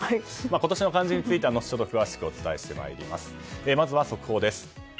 今年の漢字については後ほど詳しくお伝えします。